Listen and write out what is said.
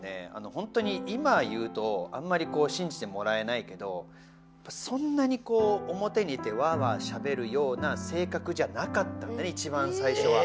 本当に今言うとあんまりしんじてもらえないけどそんなにおもてに出てワーワーしゃべるようなせいかくじゃなかったんだね一番さいしょは。